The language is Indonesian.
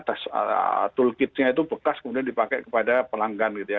toolkitnya itu bekas kemudian dipakai kepada pelanggan gitu ya